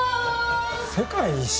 「世界一周」！？